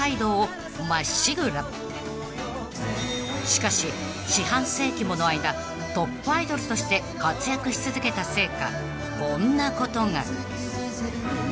［しかし四半世紀もの間トップアイドルとして活躍し続けたせいかこんなことが］